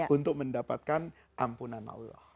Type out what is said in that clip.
untuk mendapatkan ampunan allah